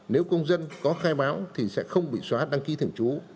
nếu công dân có khai báo thì sẽ không bị xóa đăng ký thường trú